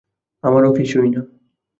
আমার ও কিছুই না।